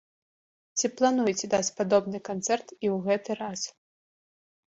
Ці плануеце даць падобны канцэрт і ў гэты раз?